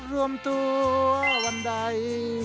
เย้วันใด